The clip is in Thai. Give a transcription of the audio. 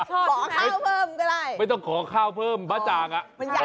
ขอข้าวเพิ่มก็ได้มันใหญ่อยู่แล้วไม่ต้องขอข้าวเพิ่มปัจจากอ่ะ